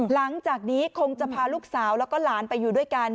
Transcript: หลังจากนี้คงจะพาลูกสาวแล้วก็หลานไปอยู่ด้วยกัน